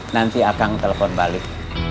nanti akang telepon balik